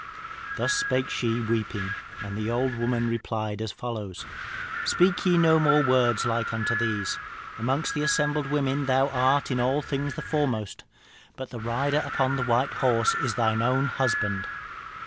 "Thus spake she, weeping, and the old woman replied as follows: 'Speak ye no more words like unto these. Amongst the assembled women thou art in all things the foremost. But the rider upon the white horse is thine own husband.